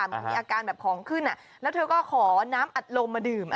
เหมือนมีอาการแบบของขึ้นแล้วเธอก็ขอน้ำอัดลมมาดื่ม